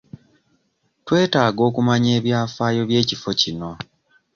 Twetaaga okumanya ebyafaayo by'ekifo kino.